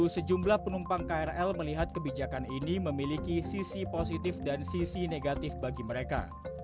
sejumlah penumpang krl melihat kebijakan ini memiliki sisi positif dan sisi negatif bagi mereka